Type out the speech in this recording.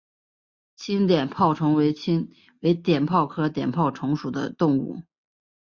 鲫碘泡虫为碘泡科碘泡虫属的动物。